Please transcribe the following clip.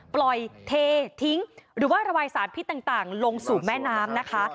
ปล่อยเททิ้งหรือว่าระบายสารพิษต่างลงสู่แม่น้ำนะคะ